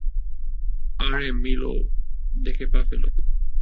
আরে মিলো, দেখে পা ফেল।